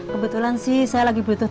kebetulan sih saya lagi butuh